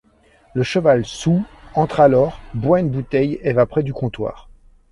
Le cheval saoul entre alors, boit une bouteille et va près du comptoir.